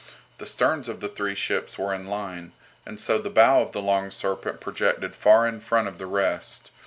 The sterns of the three ships were in line, and so the bow of the "Long Serpent" projected far in front of the rest.